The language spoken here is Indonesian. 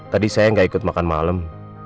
tadi saya gak ikut makan malem